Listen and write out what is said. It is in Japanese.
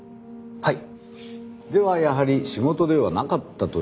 はい。